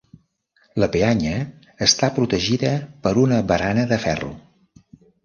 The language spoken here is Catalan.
La peanya està protegida per una barana de ferro.